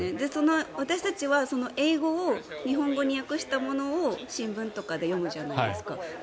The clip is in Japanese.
私たちは英語を日本語に訳したものを新聞とかで読むじゃないですか。